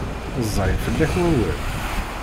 Ẓẓay fell-ak wawal?